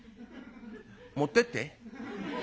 「持ってって。